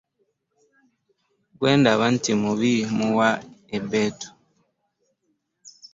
Gwe ndaba nti mubi mmuwa ebbeetu.